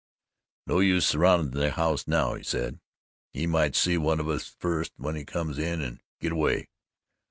"No use surrounding the house now," he said, "he might see one of us first when he comes in an' git away.